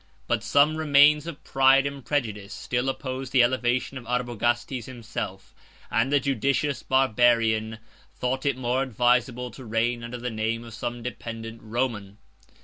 But some remains of pride and prejudice still opposed the elevation of Arbogastes himself; and the judicious Barbarian thought it more advisable to reign under the name of some dependent Roman.